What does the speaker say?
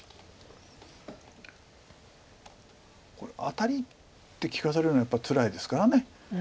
「アタリ！」って利かされるのやっぱりつらいですから。